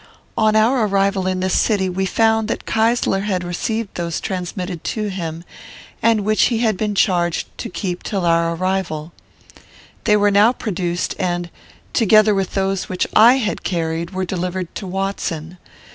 On our arrival in this city, we found that Keysler had received those transmitted to him, and which he had been charged to keep till our arrival. They were now produced, and, together with those which I had carried, were delivered to Watson.